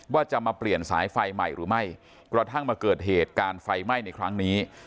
ว่าจะมาเปลี่ยนสายไฟใหม่หรือไม่กระทั่งมาเกิดเหตุการณ์ไฟไหม้ในครั้งนี้